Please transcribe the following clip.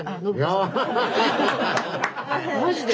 マジで。